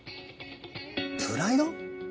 プライド？